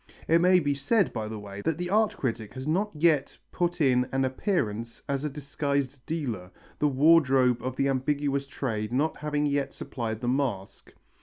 It may be said, by the way, that the art critic has not yet put in an appearance as a disguised dealer, the wardrobe of the ambiguous trade not having yet supplied the mask.